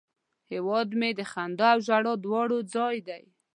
هیواد مې د خندا او ژړا دواړه ځای دی